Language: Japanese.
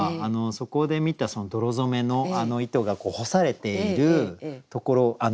そこで見た泥染めの糸が干されているところ。